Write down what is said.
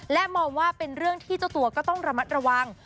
และมองว่าเป็นเรื่องที่เจ้าตัวก็ต้องระมัดระวัง